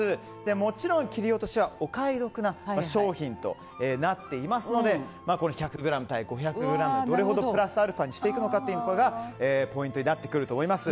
もちろん切り落としはお買い得な商品となっていますので１００ｇ対５００ｇでどれほどプラスアルファにしていくかがポイントになってくると思います。